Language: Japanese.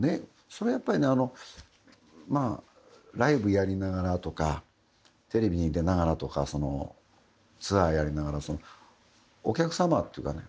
それはやっぱりねまあ、ライブやりながらとかテレビに出ながらとかツアーやりながらお客様っていうかね